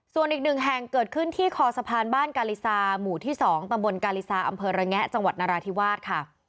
ส่วนอีกหนึ่งแห่งเกิดขึ้นที่คอสะพานบ้านกาลิซาหมู่ที่๒ตำบลกาลิซาอำเภอระแงะจังหวัดนราธิวาสค่ะ